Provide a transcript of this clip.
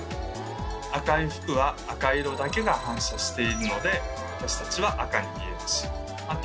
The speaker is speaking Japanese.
赤い服は赤色だけが反射しているので私たちは赤に見えるしまた